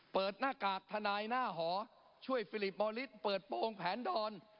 เปิดหน้ากากทนายหน้าหอช่วยฟิลิปมอลิสเปิดโปรงแผนดอน